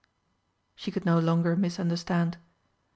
She could no longer misunderstand.